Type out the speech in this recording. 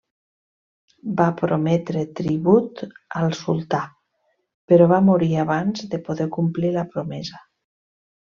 Va prometre tribut al Sultà, però va morir abans de poder complir la promesa.